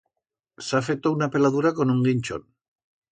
S'ha feto una peladura con un guinchón.